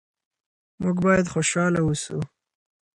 موږ باید خوشحاله اوسو.